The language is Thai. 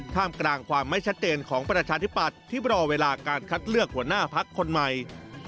ท่ามกลางความไม่ชัดเจนของประชาธิปัตย์ที่รอเวลาการคัดเลือกหัวหน้าพักคนใหม่